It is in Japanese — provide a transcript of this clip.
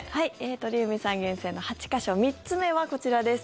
鳥海さん厳選の８か所３つ目はこちらです。